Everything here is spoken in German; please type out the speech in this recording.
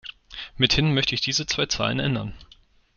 Mithin möchte ich diese zwei Zahlen ändern.